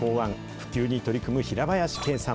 普及に取り組む平林景さん。